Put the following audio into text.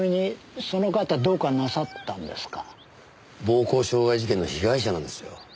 暴行傷害事件の被害者なんですよ。